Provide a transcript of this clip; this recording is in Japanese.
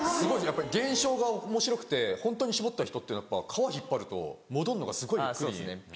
やっぱり現象がおもしろくてホントに絞った人っていうのはやっぱ皮引っ張ると戻るのがすごいゆっくり。